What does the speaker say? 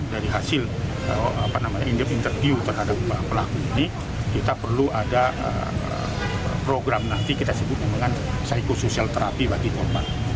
dari hasil interview terhadap pelaku ini kita perlu ada program nanti kita sebut dengan psikosocial terapi bagi korban